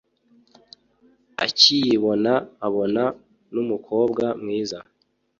akiyibona abona numukobwa mwiza